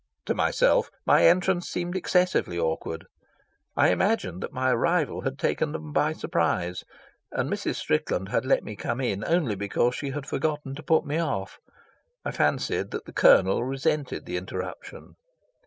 To myself my entrance seemed excessively awkward. I imagined that my arrival had taken them by surprise, and Mrs. Strickland had let me come in only because she had forgotten to put me off. I fancied that the Colonel resented the interruption.